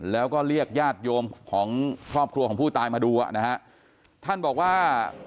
แล้วก็เรียกญาติโยมของครอบครัวของผู้ตายมาดูอ่ะนะฮะท่านบอกว่า